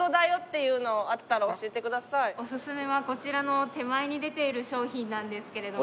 オススメはこちらの手前に出ている商品なんですけれども。